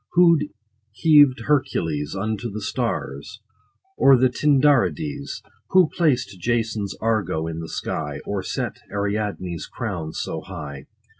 Who heav'd Hercules Unto the stars, or the Tindarides ? Who placed Jason's Argo in the sky, 50 Or set bright Ariadne's crown so high